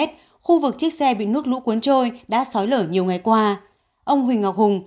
khu vực chiếc xe bị nước lũ cuốn trôi đã sói lở nhiều ngày qua ông huỳnh ngọc hùng